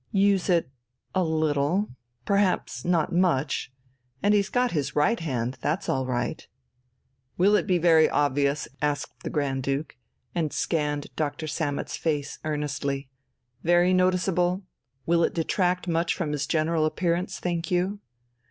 "Use it ... a little.... Perhaps not much. And he's got his right hand, that's all right." "Will it be very obvious?" asked the Grand Duke, and scanned Dr. Sammet's face earnestly. "Very noticeable? Will it detract much from his general appearance, think you?"